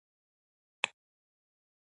هغه د شعله په سمندر کې د امید څراغ ولید.